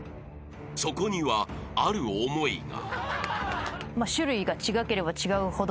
［そこにはある思いが］